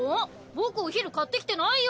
僕お昼買ってきてないよ！